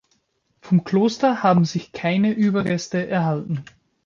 Vom Kloster haben sich keine Überreste erhalten.